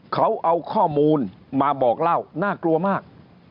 เขาเอาข้อมูลมาบอกเล่าน่ากลัวมาก